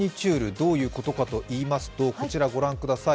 どういうことかといいますと、こちらをご覧ください。